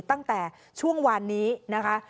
ตั้งแต่ช่วงวานนี้นะคะ